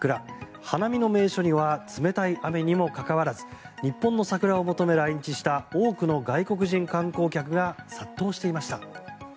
花見の名所には冷たい雨にもかかわらず日本の桜を求め、来日した多くの外国人観光客が殺到していました。